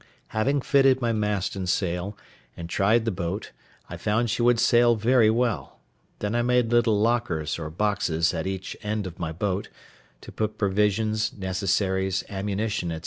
Having fitted my mast and sail, and tried the boat, I found she would sail very well; then I made little lockers or boxes at each end of my boat, to put provisions, necessaries, ammunition, &c.